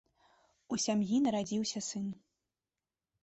У сям'і нарадзіўся сын.